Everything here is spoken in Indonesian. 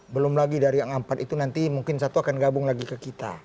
belum lagi dari yang empat itu nanti mungkin satu akan gabung lagi ke kita